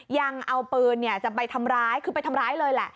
ยังเอาปืนคือไปทำร้ายเลยล่ะ